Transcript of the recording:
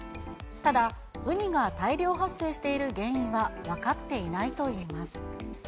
ただ、ウニが大量発生している原因は分かっていないといいます。